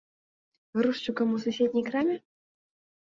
Грузчыкам у суседняй краме?